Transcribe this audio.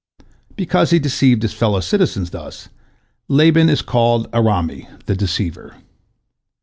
Because he deceived his fellow citizens thus, Laban is called Arami, "the deceiver."